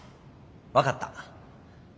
分かった。